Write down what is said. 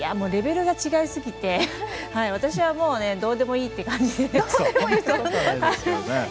レベルが違いすぎて私はどうでもいいって感じで。